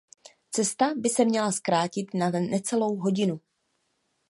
Cesta by se měla zkrátit na necelou hodinu.